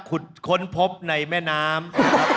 ขุดค้นพบในแม่น้ำ